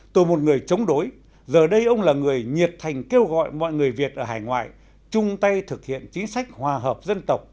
từ một người chống đối giờ đây ông là người nhiệt thành kêu gọi mọi người việt ở hải ngoại chung tay thực hiện chính sách hòa hợp dân tộc của đảng của nhà nước việt nam